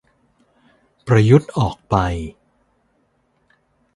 ประยุทธ์ออกไป